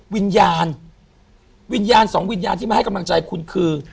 วิญญาณวิญญาณสองวิญญาณที่มาให้กำลังใจคุณคือ